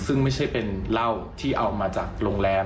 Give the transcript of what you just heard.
ซึ่งไม่ใช่เป็นเหล้าที่เอามาจากโรงแรม